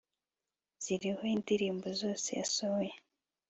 ziriho indirimbo zose yasohoye